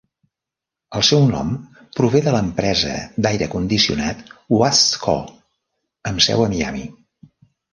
El seu nom prové de l'empresa d'aire condicionat Watsco, amb seu a Miami.